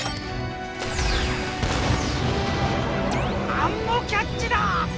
アンモキャッチだ！